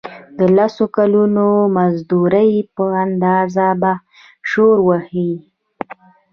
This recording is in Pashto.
د لسو کلونو د مزدورۍ په اندازه به شوړه ووهي.